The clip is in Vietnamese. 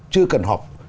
chưa cần học